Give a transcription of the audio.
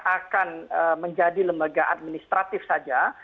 akan menjadi lembaga administratif saja